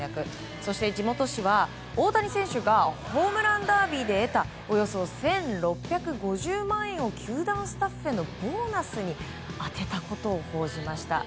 そして地元紙は大谷選手がホームランダービーで得たおよそ１６５０万円を球団スタッフへのボーナスに充てたことを報じました。